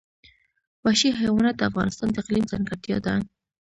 وحشي حیوانات د افغانستان د اقلیم ځانګړتیا ده.